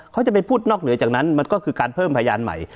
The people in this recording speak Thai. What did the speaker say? เขาจะไปพูดนอกเหนือจากนั้นมันก็คือการเพิ่มพยานใหม่